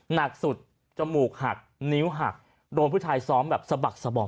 หนักสุดจมูกหักนิ้วหักโดนผู้ชายซ้อมแบบสะบักสบอม